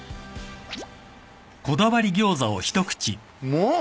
もう。